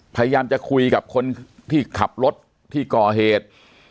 พยายามจะคุยกับคนที่ขับรถที่ก่อเหตุ